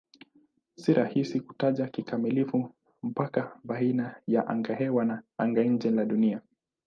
Si rahisi kutaja kikamilifu mpaka baina ya angahewa na anga-nje la Dunia.